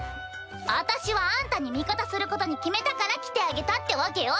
私はあんたに味方することに決めたから来てあげたってわけよ！